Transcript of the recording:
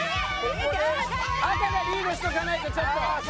赤がリードしておかないとちょっと。